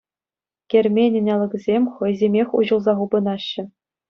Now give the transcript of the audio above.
Керменӗн алӑкӗсем хӑйсемех уҫӑлса хупӑнаҫҫӗ.